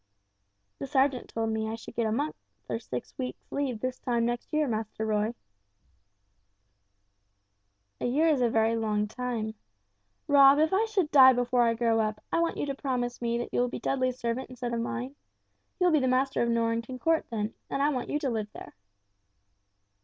"The sergeant told me I should get a month or six weeks' leave this time next year, Master Roy." "A year is a very long time. Rob, if I should die before I grow up, I want you to promise me that you will be Dudley's servant instead of mine. He will be master of Norrington Court, then, and I want you to live there."